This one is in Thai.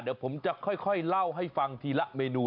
เดี๋ยวผมจะค่อยเล่าให้ฟังทีละเมนู